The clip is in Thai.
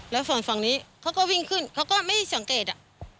แล้วฝั่งฝั่งนี้เขาก็วิ่งขึ้นเขาก็ไม่สังเกต